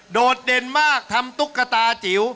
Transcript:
โดดเด่นมากทำตุ๊กตาจิ๋ว